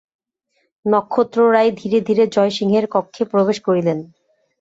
নক্ষত্ররায় ধীরে ধীরে জয়সিংহের কক্ষে প্রবেশ করিলেন।